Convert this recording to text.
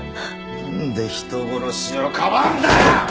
なんで人殺しをかばうんだよ！